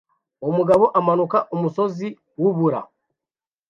Umugabo amanuka umusozi wubura